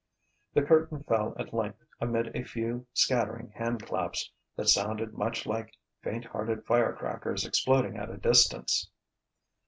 The curtain fell at length amid a few, scattering hand claps that sounded much like faint hearted firecrackers exploding at a distance.